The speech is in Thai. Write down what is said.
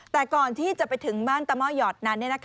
แต่ก่อนที่จะไปถึงบ้านตะหม้อหยอดนั้น